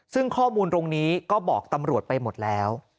ซึ่งข้อมูลตรงนี้ก็บอกตำรวจไปหมดแล้ว